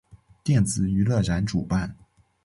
电子娱乐展主办。